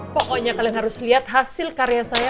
pokoknya kalian harus lihat hasil karya saya